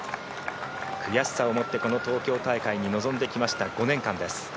悔しさをもって東京大会に臨んできました５年間です。